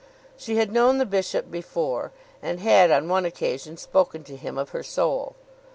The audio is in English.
She had known the bishop before, and had on one occasion spoken to him of her soul.